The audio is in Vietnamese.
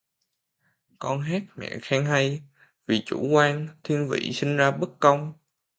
Con hát mẹ khen hay: vì chủ quan, thiên vị sinh ra bất công